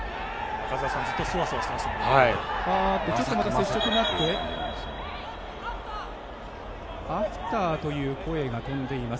接触があってアフターという声が飛んでいます。